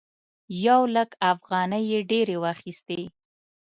یو لک افغانۍ یې ډېرې واخيستې.